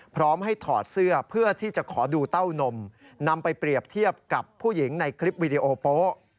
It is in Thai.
พร้อมให้ถอดเสื้อเพื่อที่จะขอดูเต้านมนำไปเปรียบเทียบกับผู้หญิงในคลิปวิดีโอโป๊ะ